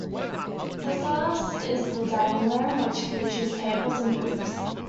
The first is the dining room which features tables and booths.